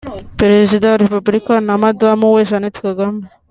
Prezida wa Repubulika na Madamu we Jeannette Kagame